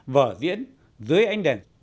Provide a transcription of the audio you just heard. vở diễn dưới ánh đèn